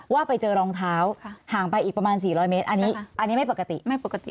ว่าไปเจอรองเท้าค่ะห่างไปอีกประมาณสี่ร้อยเมตรใช่ค่ะอันนี้ไม่ปกติไม่ปกติ